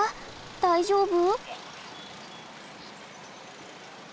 大丈夫？